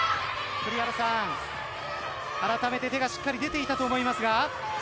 あらためて手がしっかり出ていたと思いますが。